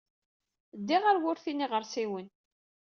Ddiɣ ɣer wurti n yiɣersiwen.